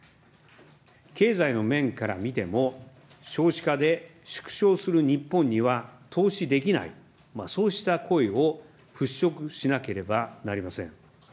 経済の面から見ても、少子化で縮小する日本には投資できない、そうした声を払拭しなければなりません。